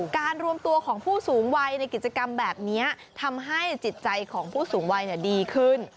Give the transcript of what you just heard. การรวมตัวของผู้สูงวัยในกิจกรรมแบบนี้ทำให้จิตใจของผู้สูงวัยดีขึ้น